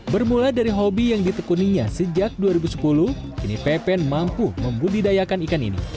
bermula dari hobi yang ditekuninya sejak dua ribu sepuluh kini pepen mampu membudidayakan ikan ini